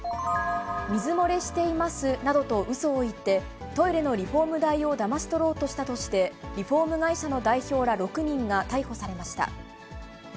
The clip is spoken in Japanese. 水漏れしていますなどとうそを言って、トイレのリフォーム代をだまし取ろうとしたとして、リフォーム会社の代表ら６人が逮捕されました。